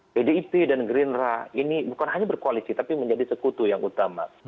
pdip dan gerindra ini bukan hanya berkoalisi tapi menjadi sekutu yang utama